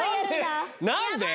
何で？